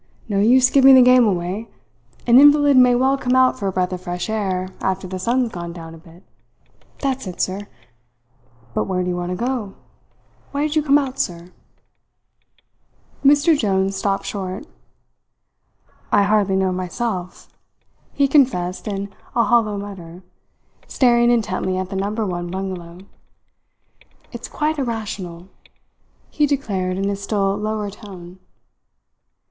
"No use giving the game away. An invalid may well come out for a breath of fresh air after the sun's gone down a bit. That's it, sir. But where do you want to go? Why did you come out, sir?" Mr Jones stopped short. "I hardly know myself," he confessed in a hollow mutter, staring intently at the Number One bungalow. "It's quite irrational," he declared in a still lower tone.